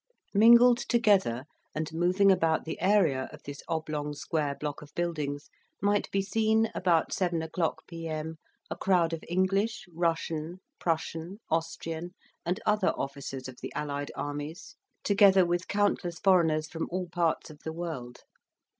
Mingled together, and moving about the area of this oblong square block of buildings, might be seen, about seven o'clock P.M., a crowd of English, Russian, Prussian, Austrian, and other officers of the Allied armies, together with countless foreigners from all parts of the world.